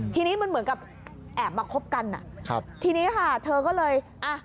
ทีนี้มันเหมือนกับแอบมาคบกันอ่ะครับทีนี้ค่ะเธอก็เลยอ่ะ